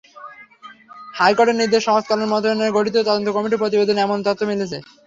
হাইকোর্টের নির্দেশে সমাজকল্যাণ মন্ত্রণালয়ের গঠিত তদন্ত কমিটির প্রতিবেদনে এমন তথ্য মিলেছে।